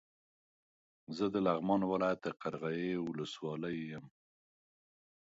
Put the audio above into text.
زه د لغمان ولايت د قرغيو ولسوالۍ يم